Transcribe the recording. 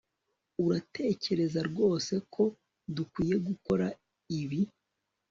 uratekereza rwose ko dukwiye gukora ibi